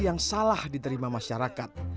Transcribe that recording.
yang salah diterima masyarakat